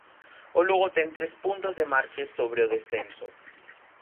O Lugo ten tres puntos de marxe sobre o descenso.